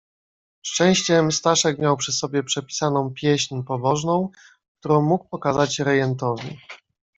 "Szczęściem, Staszek miał przy sobie przepisaną pieśń pobożną, którą mógł pokazać rejentowi."